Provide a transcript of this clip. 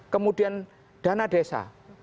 kemudian dana desa